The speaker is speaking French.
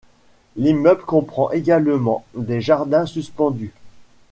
L'immeuble comprend également des jardins suspendus.